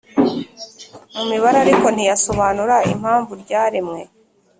mu mibare ariko ntiyasobanura impamvu ryaremwe